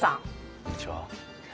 こんにちは。